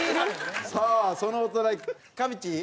さあそのお隣かみちぃ？